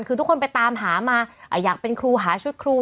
คือทุกคนไปตามหามาอยากเป็นครูหาชุดครู